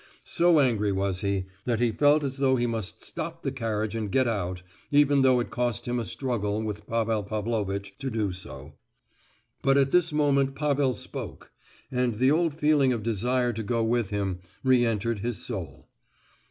So angry was he, that he felt as though he must stop the carriage and get out, even though it cost him a struggle with Pavel Pavlovitch to do so. But at this moment Pavel spoke, and the old feeling of desire to go with him re entered his soul.